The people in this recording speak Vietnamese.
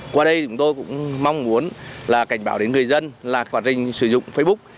qua đây chúng tôi cũng mong muốn là cảnh báo đến người dân là quá trình sử dụng facebook